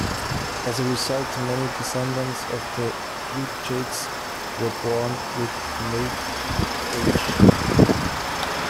As a result, many descendants of the Fugates were born with met-H.